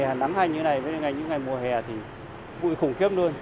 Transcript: còn những ngày nắng hay như thế này với những ngày mùa hè thì bụi khủng khiếp luôn